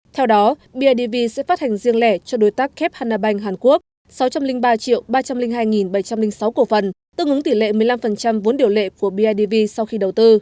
theo đó bidv sẽ phát hành riêng lẻ cho đối tác kép hanabank hàn quốc sáu trăm linh ba ba trăm linh hai bảy trăm linh sáu cổ phần tương ứng tỷ lệ một mươi năm vốn điều lệ của bidv sau khi đầu tư